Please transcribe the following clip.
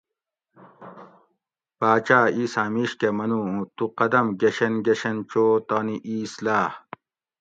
باچاۤ اِیساۤں مِیش کہ منو اُوں تو قدم گۤشین گۤشین چو تانی اِیس لاۤ